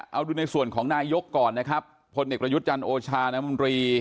เอาดูในส่วนของนายกก่อนนะครับพลเอกประยุทธ์จันทร์โอชาน้ำมนตรี